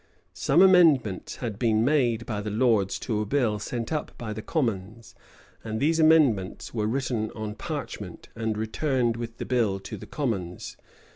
[] Some amendments had been made by the lords to a bill sent up by the commons; and these amendments were written on parchment, and returned with the bill to the commons.